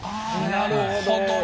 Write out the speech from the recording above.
なるほどね。